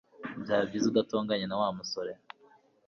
Byaba byiza utatonganye na Wa musore